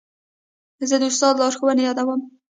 زه د استاد لارښوونې یادوم.